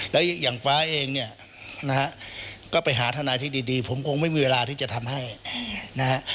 แล้วอย่างฟ้าเองเนี่ยนะฮะก็ไปหาทนายที่ดีผมคงไม่มีเวลาที่จะทำให้นะฮะ